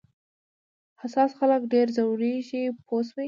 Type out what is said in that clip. حساس خلک ډېر ځورېږي پوه شوې!.